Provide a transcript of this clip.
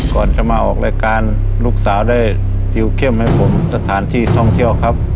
ก่อนจะมาออกรายการลูกสาวได้จิลเข้มให้ผมสถานที่ท่องเที่ยวครับ